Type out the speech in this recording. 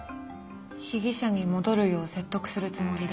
被疑者に戻るよう説得するつもりで？